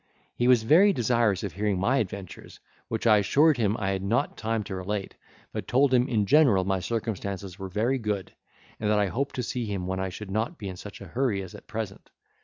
He was very desirous of hearing my adventures, which I assured him I had not time to relate, but told him in general, my circumstances were very good, and that I hoped to see him when I should not be in such a hurry as at present.